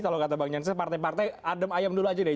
kalau kata bang jansen partai partai adem ayem dulu aja deh